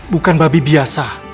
bukan babi biasa